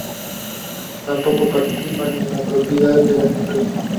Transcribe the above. Tampoco participaría de la propiedad de las empresas.